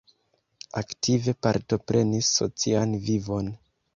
Aktive partoprenis socian vivon.